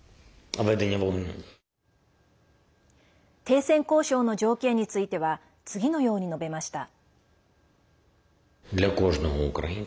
停戦交渉の条件については次のように述べました。